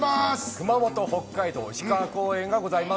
熊本、北海道、石川公演がございます。